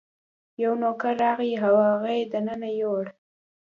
یو نوکر راغی او هغه یې دننه یووړ.